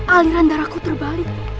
aliran darahku terbalik